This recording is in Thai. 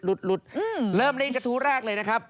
เริ่มเล่นกระทู้แรกเลยนะครับ